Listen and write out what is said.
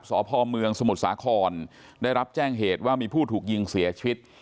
สพเมืองสมุทรสาครได้รับแจ้งเหตุว่ามีผู้ถูกยิงเสียชีวิต